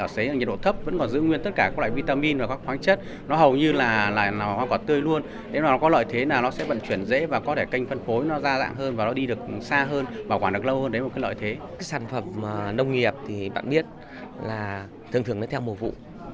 sản phẩm nông nghiệp thì bạn biết là thường thường nó theo mùa vụ